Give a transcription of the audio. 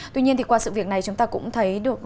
tuy nhiên thì qua sự việc này chúng ta cũng thấy được